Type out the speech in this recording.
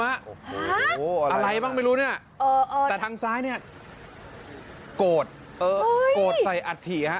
อะไรบ้างไม่รู้นี่แต่ทางซ้ายนี่โกดโกดใส่อัดถี่ค่ะ